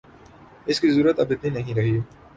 اس کی ضرورت اب اتنی نہیں رہی